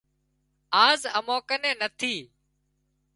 آز امان ڪنين نٿي